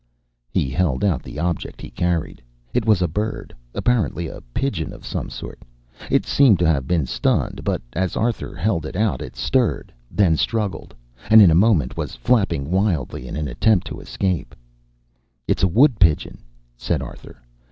He held out the object he carried. It was a bird, apparently a pigeon of some sort. It seemed to have been stunned, but as Arthur held it out it stirred, then struggled, and in a moment was flapping wildly in an attempt to escape. "It's a wood pigeon," said Arthur.